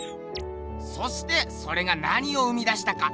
そしてそれがなにを生みだしたか？